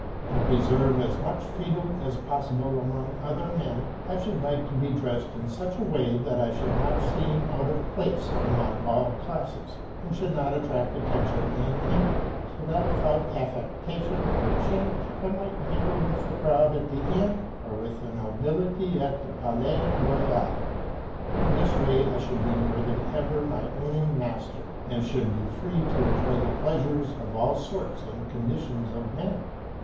To preserve as much freedom as possible among other men, I should like to be dressed in such a way that I should not seem out of place among all classes, and should not attract attention in any; so that without affectation or change I might mingle with the crowd at the inn or with the nobility at the Palais Royal. In this way I should be more than ever my own master, and should be free to enjoy the pleasures of all sorts and conditions of men.